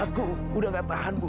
aku sudah nggak tahan bu